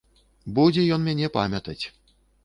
Будзе ён мяне памятаць.